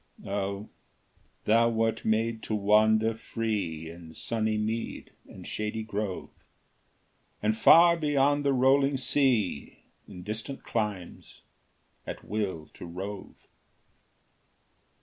Oh, thou wert made to wander free In sunny mead and shady grove, And far beyond the rolling sea, In distant climes, at will to rove!